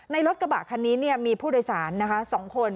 ในรถกระบะคันนี้เนี่ยมีผู้โดยสารนะคะ๒คน